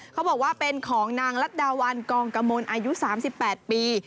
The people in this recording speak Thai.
เขาบอกว่าเป็นของนางรัฐดาวันกองกมลอายุ๓๘ปี